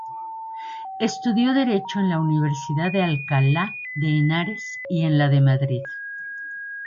Estudió Derecho en la Universidad de Alcalá de Henares y en la de Madrid.